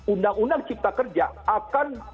undang undang cipta kerja akan